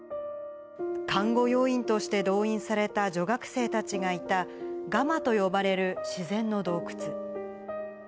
看護要員として動員された女学生たちがいた、ガマと呼ばれる自然の洞窟。